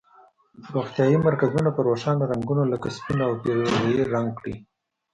روغتیایي مرکزونه په روښانه رنګونو لکه سپین او پیروزه یي رنګ کړئ.